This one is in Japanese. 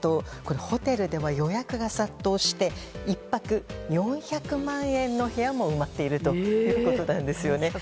ホテルでは予約が殺到して１泊４００万円の部屋も埋まっているということです。